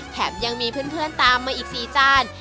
แถมยังมีเพื่อนตามมาอีก๔จาน